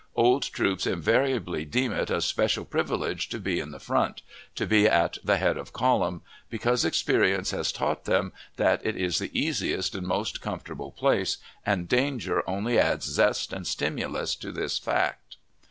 Old troops invariably deem it a special privilege to be in the front to be at the "head of column" because experience has taught them that it is the easiest and most comfortable place, and danger only adds zest and stimulus to this fact.